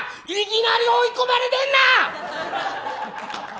いきなり追い込まれてんな！